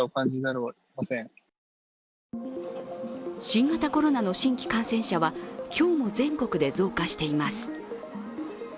新型コロナの新規感染者は今日も全国で増加しています。